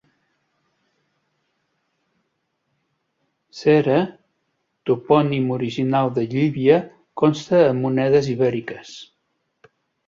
Cere toponim original de Llivia consta en monedes ibèriques.